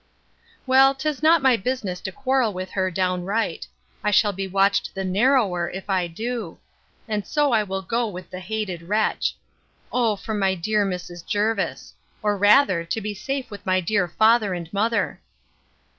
Well, 'tis not my business to quarrel with her downright. I shall be watched the narrower, if I do; and so I will go with the hated wretch.—O for my dear Mrs. Jervis! or, rather, to be safe with my dear father and mother.